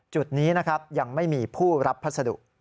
จุดนี้ยังไม่มีผู้รับพัสดุ